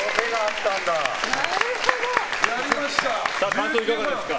感想、いかがですか？